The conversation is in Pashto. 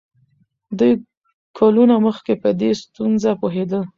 دوی کلونه مخکې په دې ستونزه پوهېدل.